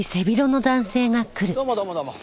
どうもどうもどうも。